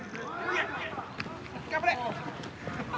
頑張れ！